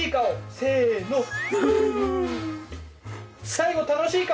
最後楽しい顔！